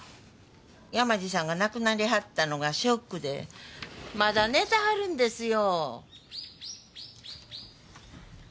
山路さんが亡くなりはったのがショックでまだ寝てはるんですよ。